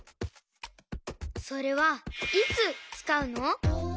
それはいつつかうの？